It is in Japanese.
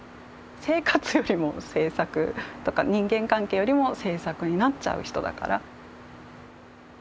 生活よりも制作とか人間関係よりも制作になっちゃう人だから。